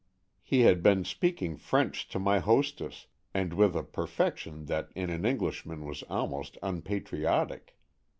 He had been speaking French to my hostess, and with a perfection that in an Englishman was almost unpatriotic.